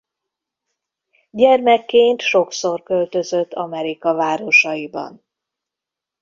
Gyermekként sokszor költözött Amerika városaiban.